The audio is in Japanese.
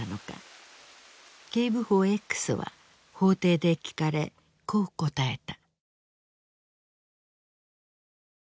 警部補Ｘは法廷で聞かれこう答えた。